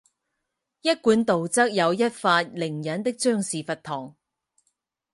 一贯道则有发一灵隐的张氏佛堂。